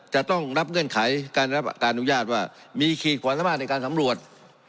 จะต้องรับเงื่อนไขการรับการอนุญาตว่ามีขีดความสามารถในการสำรวจ